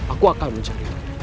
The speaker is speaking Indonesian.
aku akan mencari dia